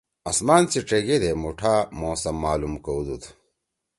آسمان سی ڇیگے دے مُوٹھا موسم معلوم کؤدُود۔